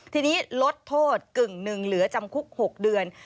ทีนี้ลดโทษ๑๕บาทเหลือจำคุก๖เดือน